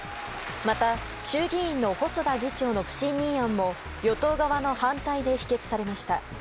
また、衆議院の細田議長の不信任案も与党側の反対で否決されました。